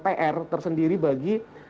pr tersendiri bagi